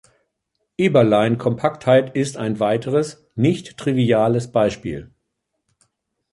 Eberlein-Kompaktheit ist ein weiteres nicht-triviales Beispiel.